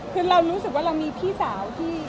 คือเรารู้สึกว่าเรามีพี่สาวที่